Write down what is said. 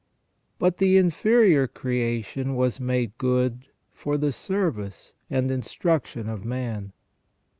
But the inferior creation was made good for the service and instruction of man.